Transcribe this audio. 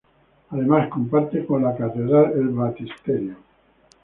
Además, comparte con la Catedral el baptisterio.